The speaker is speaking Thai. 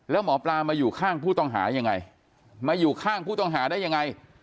แล้วหมอปลามาอยู่ข้างผู้ต้องหายังไงมาอยู่ข้างผู้ต้องหาได้ยังไง